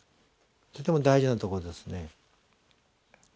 とても大事なところですね。